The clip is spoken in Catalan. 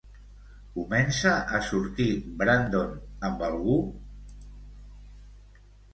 Comença a sortir Brandon amb algú?